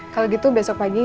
kalau gitu besok pagi